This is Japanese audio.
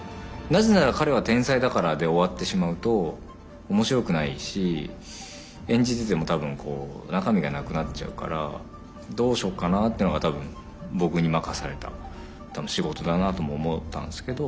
「なぜなら彼は天才だから」で終わってしまうと面白くないし演じてても多分中身がなくなっちゃうからどうしようかなというのが多分僕に任された仕事だなとも思ったんですけど。